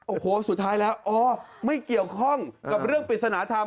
โอ้โหสุดท้ายแล้วอ๋อไม่เกี่ยวข้องกับเรื่องปริศนธรรม